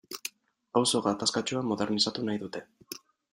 Auzo gatazkatsua modernizatu nahi dute.